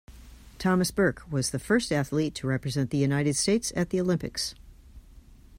Thomas Burke was the first athlete to represent the United States at the Olympics.